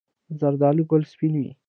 د زردالو ګل سپین وي؟